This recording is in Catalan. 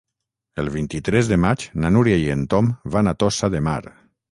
El vint-i-tres de maig na Núria i en Tom van a Tossa de Mar.